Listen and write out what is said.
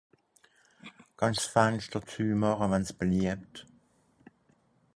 Kann'sch s'Fenschter züemache wann's beliebt?